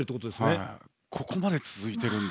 ここまで続いてるんだ。